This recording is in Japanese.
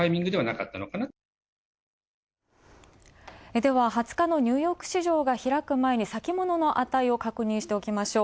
では２０日のニューヨーク市場が開く前に、先物の値を確認しておきましょう。